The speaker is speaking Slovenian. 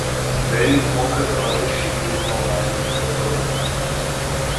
Velik moker madež je bil na ovalni preprogi.